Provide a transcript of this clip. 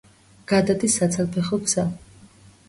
გადადის საცალფეხო გზა.